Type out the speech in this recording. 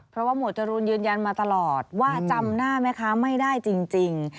เพราะว่าหมวดจรูนยืนยันมาตลอดว่าจำหน้าแม่ค้าไม่ได้จริง